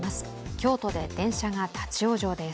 京都で電車が立往生です。